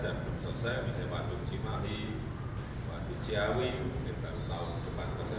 dan untuk selesai kita bantu mencimahi bantu ciawi untuk setelah tahun depan selesai